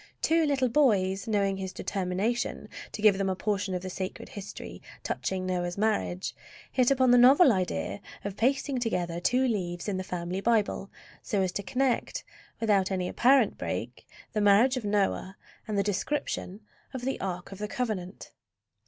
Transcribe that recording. Two little boys, knowing his determination to give them a portion of the sacred history touching Noah's marriage, hit upon the novel idea of pasting together two leaves in the family Bible so as to connect, without any apparent break, the marriage of Noah and the description of the Ark of the Covenant.